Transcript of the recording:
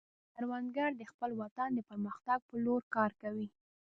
کروندګر د خپل وطن د پرمختګ په لور کار کوي